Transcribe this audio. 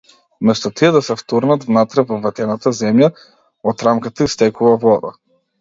Место тие да се втурнат внатре во ветената земја, од рамката истекува вода.